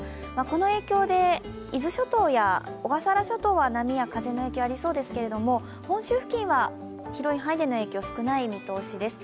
この影響で、伊豆諸島や小笠原諸島は波の風の影響がありそうですけれども本州付近は、広い範囲での影響は少ない見通しです。